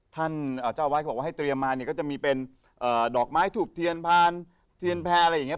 ท่านเจ้าอาวาสบอกว่าให้เตรียมมาเนี่ยก็จะมีเป็นดอกไม้ถูกเทียนพานเทียนแพรอะไรอย่างนี้